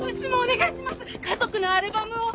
家族のアルバムを。